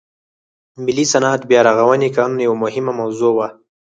ملي صنعت بیا رغونې قانون یوه مهمه موضوع وه.